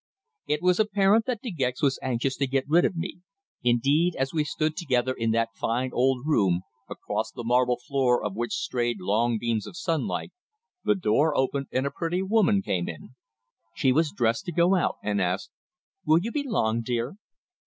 It was apparent that De Gex was anxious to get rid of me. Indeed, as we stood together in that fine old room, across the marble floor of which strayed long beams of sunlight, the door opened and a pretty woman came in. She was dressed to go out, and asked: "Will you be long, dear?"